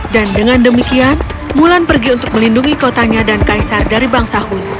dan dengan demikian mulan pergi untuk melindungi kotanya dan kaisar dan kudanya